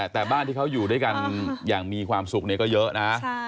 แต่บ้านที่เขาอยู่ด้วยกันอย่างมีความสุขก็เยอะนะ